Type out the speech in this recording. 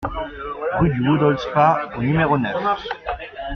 Rue de Woodhall-Spa au numéro neuf